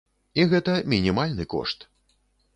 І гэта мінімальны кошт.